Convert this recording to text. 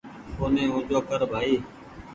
اوني اونچو ڪر ڀآئي